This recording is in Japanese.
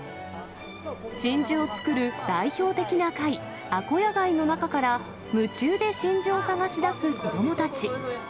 真珠を作る代表的な貝、アコヤガイの中から、夢中で真珠を探し出す子どもたち。